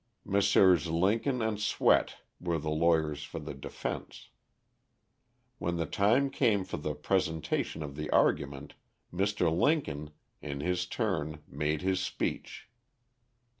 Messrs. Lincoln and Swett were the lawyers for the defense. When the time came for the presentation of the argument, Mr. Lincoln, in his turn made his speech.